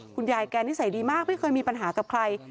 คุณยายแกนิสัยดีมากไม่เคยมีปัญหากับใคร